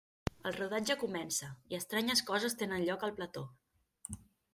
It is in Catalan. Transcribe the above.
El rodatge comença, i estranyes coses tenen lloc al plató.